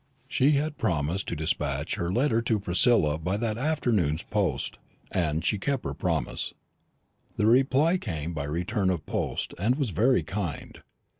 She had promised to despatch her letter to Priscilla by that afternoon's post, and she kept her promise. The reply came by return of post, and was very kind.